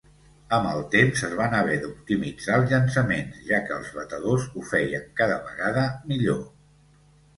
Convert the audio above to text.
Amb el temps, es van haver d'optimitzar els llançaments ja que els batedors ho feien cada vegada millor.